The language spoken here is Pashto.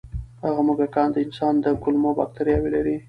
هغه موږکان د انسان د کولمو بکتریاوې لري.